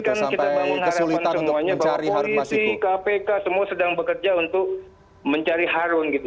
kita memberikan kesulitan semuanya bahwa polisi kpk semua sedang bekerja untuk mencari harun gitu